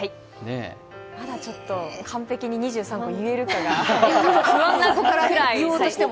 まだちょっと完璧に２３区が言えるかが不安なくらい。